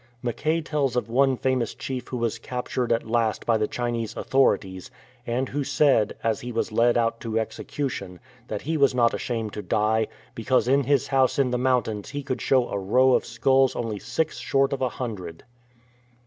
Mackay tells of one famous chief who was captured at last by the Chinese authorities, and who said, as he was led out to execution, that he was not ashamed to die, because in his house in the mountains he could show a row of skulls only six short of a hundred.